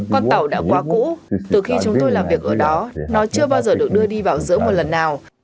con tàu đã quá cũ từ khi chúng tôi làm việc ở đó nó chưa bao giờ được đưa đi vào giữa một lần nào